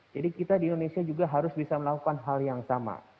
jadi kita di indonesia juga harus bisa melakukan hal yang sama